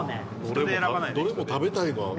俺もどれも食べたいわ。